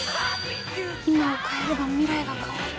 今を変えれば未来が変わる。